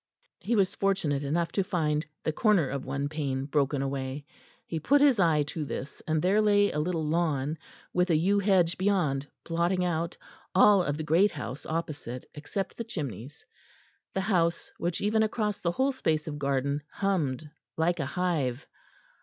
He was fortunate enough to find the corner of one pane broken away; he put his eye to this, and there lay a little lawn, with a yew hedge beyond blotting out all of the great house opposite except the chimneys, the house which even across the whole space of garden hummed like a hive.